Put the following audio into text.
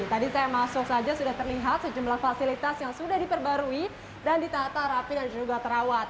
tadi saya masuk saja sudah terlihat sejumlah fasilitas yang sudah diperbarui dan ditata rapi dan juga terawat